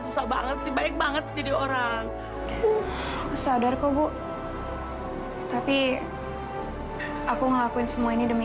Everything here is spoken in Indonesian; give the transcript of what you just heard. susah banget sih baik banget jadi orang sadar kubu tapi aku ngelakuin semua ini demi